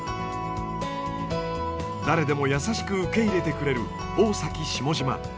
誰でも優しく受け入れてくれる大崎下島。